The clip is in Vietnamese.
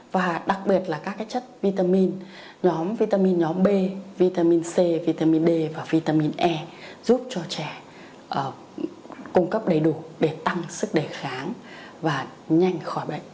và đặc biệt là các chất vitamin nhóm vitamin nhóm b vitamin c vitamin d và vitamin e giúp cho trẻ cung cấp đầy đủ để tăng sức đề kháng và nhanh khỏi bệnh